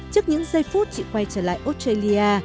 trước những giây phút chị quay trở lại australia